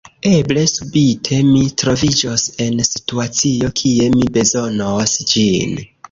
Eble subite, mi troviĝos en situacio, kie mi bezonos ĝin.